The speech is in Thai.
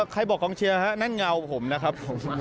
ใครบอกกองเชียร์ฮะนั่นเงาผมนะครับผม